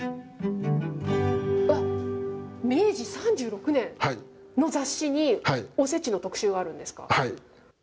わっ、明治３６年の雑誌に、おせちの特集があるんですか。